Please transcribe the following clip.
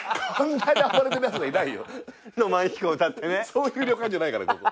そういう旅館じゃないからここ。